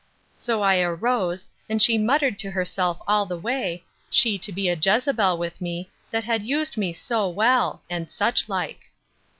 —So I arose, and she muttered to herself all the way, She to be a Jezebel with me, that had used me so well! and such like.